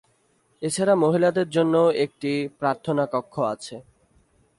এছাড়া মহিলাদের জন্যও একটি প্রার্থনা কক্ষ আছে।